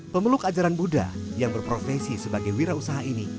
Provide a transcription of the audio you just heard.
pemeluk ajaran buddha yang berprofesi sebagai wirausaha ini